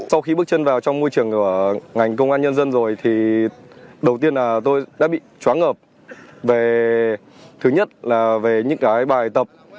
sau khi bước chân vào trong môi trường của ngành công an nhân dân rồi thì đầu tiên là tôi đã bị chóng ngợp về thứ nhất là về những cái bài tập